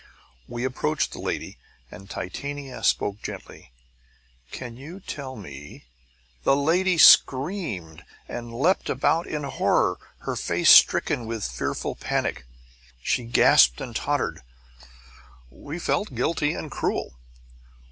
We approached the lady, and Titania spoke gently: "Can you tell me " The lady screamed, and leaped round in horror, her face stricken with fearful panic. She gasped and tottered. We felt guilty and cruel.